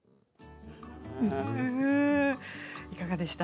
いかがでした？